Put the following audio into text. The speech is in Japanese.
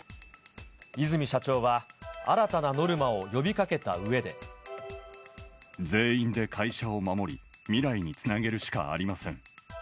和泉社長は新たなノルマを呼全員で会社を守り、未来につなげるしかありません。